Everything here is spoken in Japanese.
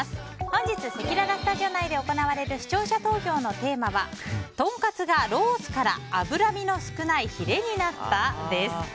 本日、せきららスタジオ内で行われる視聴者投票のテーマはとんかつがロースから脂身の少ないヒレになった？です。